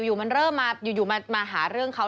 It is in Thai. อยู่มันเริ่มมาหาเรื่องเขา